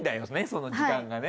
その時間がね。